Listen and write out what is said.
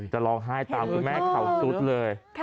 จะร้องไห้ตามคุณแม่เข่าซุดเลย